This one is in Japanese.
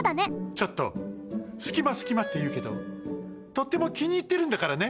ちょっとすきますきまっていうけどとってもきにいってるんだからね。